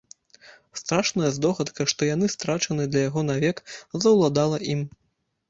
Страшная здогадка, што яны страчаны для яго навек, заўладала ім.